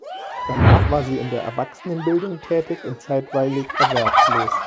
Danach war sie in der Erwachsenenbildung tätig und zeitweilig erwerbslos.